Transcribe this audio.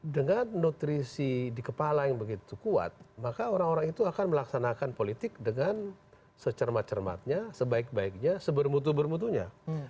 dengan nutrisi di kepala yang begitu kuat maka orang orang itu akan melaksanakan politik dengan secermat cermatnya sebaik baiknya sebermutu bermutunya